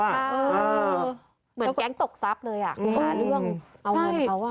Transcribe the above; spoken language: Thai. เหมือนแก๊งตกทรัพย์เลยอ่ะคือหาเรื่องเอาเงินเขาอ่ะ